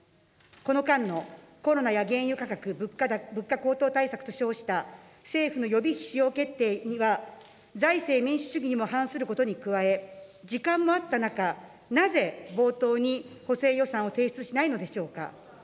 この間のコロナや原油価格、物価高騰対策と称した政府の予備費使用決定には財政民主主義にも反することに加え、時間もあった中、なぜ冒頭に補正予算を提出しないのでしょうか。